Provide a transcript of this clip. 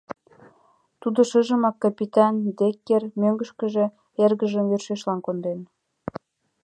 Тудо шыжымак капитан Деккер мӧҥгышкыжӧ эргыжым йӧршешлан конден.